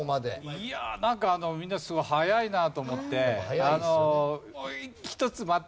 いやなんかみんなすごい早いなと思って。